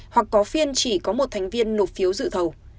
hoặc có phiên chỉ có một thành viên nộp phiếu dự thầu